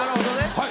はい。